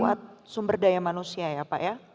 untuk sumber daya manusia ya pak ya